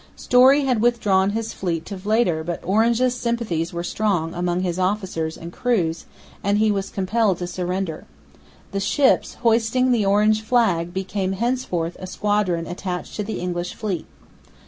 Story had withdrawn his fleet to Vlieter, but Orangist sympathies were strong among his officers and crews, and he was compelled to surrender. The ships, hoisting the Orange flag, became henceforth a squadron attached to the English fleet.